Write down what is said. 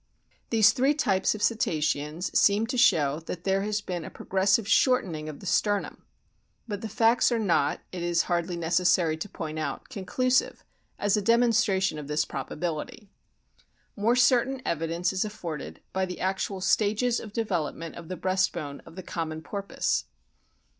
These three types of Cetaceans seem to show that there has been a progressive shortening of the sternum. But the facts are not, it is hardly necessary to point out, conclusive as a demonstration of this probability. More certain evidence is afforded by the actual stages of development of the breast bone of the common Porpoise.